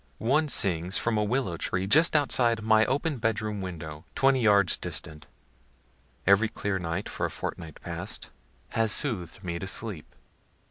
One sings from a willow tree just outside my open bedroom window, twenty yards distant; every clear night for a fortnight past has sooth'd me to sleep.